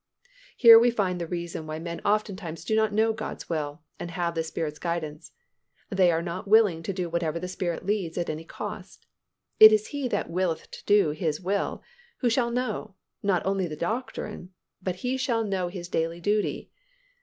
Here we find the reason why men oftentimes do not know God's will and have the Spirit's guidance. They are not willing to do whatever the Spirit leads at any cost. It is he that "willeth to do His will" who shall know, not only of the doctrine, but he shall know his daily duty.